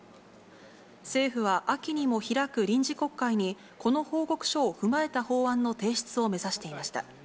政府は、秋にも開く臨時国会に、この報告書を踏まえた法案の提出を目指していました。